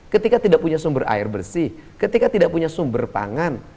ketika tidak punya sumber air bersih ketika tidak punya sumber pangan